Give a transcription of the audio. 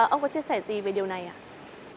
ông có chia sẻ gì về điều này ạ